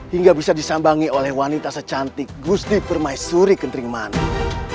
hingga bisa disambangi oleh wanita secantik gusti permaisuri kentring mana